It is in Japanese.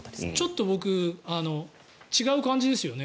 ちょっと僕違う感じですよね。